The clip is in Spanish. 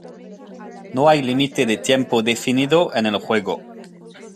No hay límite de tiempo definido en el juego.